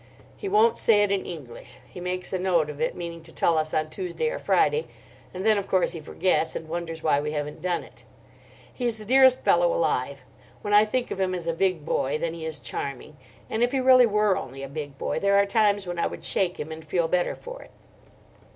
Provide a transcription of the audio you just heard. He won't say it in English; he makes a note of it, meaning to tell us on Tuesday or Friday, and then, of course, he forgets, and wonders why we haven't done it. He's the dearest fellow alive. When I think of him as a big boy, then he is charming, and if he really were only a big boy there are times when I would shake him and feel better for it."